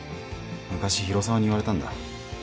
昔広沢に言われたんだ